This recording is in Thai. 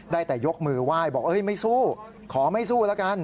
ได้แต่ยกมือไหว้บอกไม่สู้ขอไม่สู้แล้วกัน